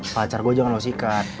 pacar gue jangan lo sikat